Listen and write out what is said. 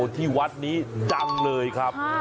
ที่วัดนี้จังเลยครับ